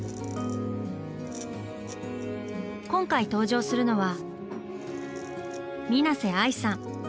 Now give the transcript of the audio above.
今回登場するのは水瀬藍さん。